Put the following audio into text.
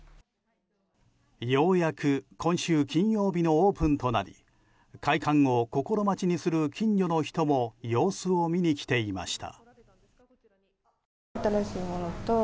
ようやく今週金曜日のオープンとなり開館を心待ちにする近所の人も様子を見に来ていました。